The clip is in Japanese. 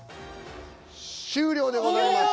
終了でございます。